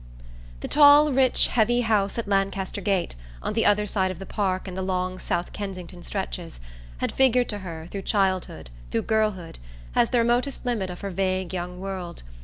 The tall rich heavy house at Lancaster Gate, on the other side of the Park and the long South Kensington stretches, had figured to her, through childhood, through girlhood, as the remotest limit of her vague young world.